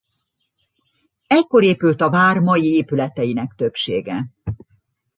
Ekkor épült a vár mai épületeinek többsége.